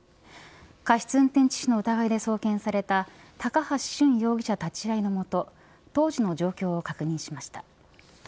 過失運転致死の疑いで送検された高橋俊容疑者立ち会いのもと当時の状況を確認しました。